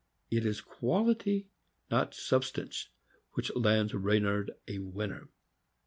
It is quality, not " substance," which lands Reynard a winner.